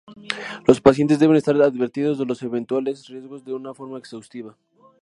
Los pacientes deben estar advertidos de los eventuales riesgos de una forma exhaustiva.